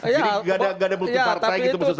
jadi gak ada multi partai gitu misalnya